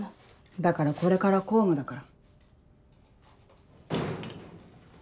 だからこれから公務だから。